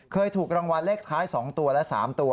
เคยถูกรางวัลเลขท้าย๒ตัวและ๓ตัว